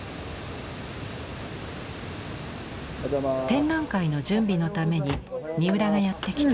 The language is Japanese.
展覧会の準備のために三浦がやって来た。